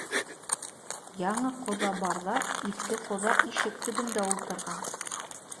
Яңы ҡоҙа барҙа иҫке ҡоҙа ишек төбөндә ултырған.